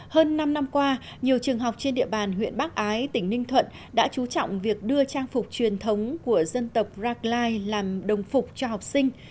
hơn năm năm qua nhiều trường học trên địa bàn huyện bắc ái tỉnh ninh thuận đã chú trọng việc đưa trang phục truyền thống của dân tộc rackline làm đồng phục cho học sinh